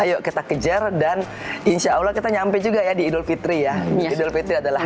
ayo kita kejar dan insya allah kita nyampe juga ya di idul fitri ya idul fitri adalah